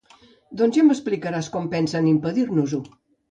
Doncs ja m'explicaràs com pensen impedir-nos-ho.